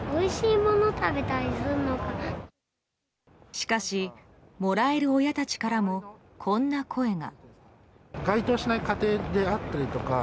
しかし、もらえる親たちからもこんな声が。